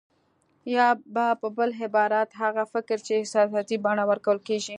يا په بل عبارت هغه فکر چې احساساتي بڼه ورکول کېږي.